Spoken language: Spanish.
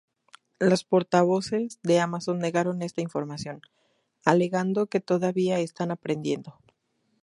Los portavoces de Amazon negaron esta información, alegando que todavía están aprendiendo.